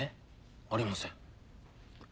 ありません。